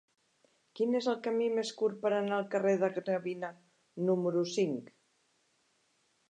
Quin és el camí més curt per anar al carrer de Gravina número cinc?